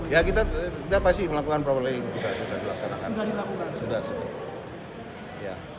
ya kita pasti melakukan proper laying sudah dilakukan